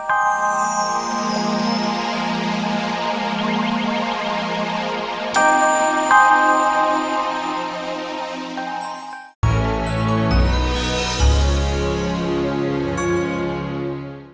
aku mau ditangkap